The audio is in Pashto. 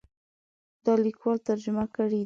دا لیکوال ترجمه کړی دی.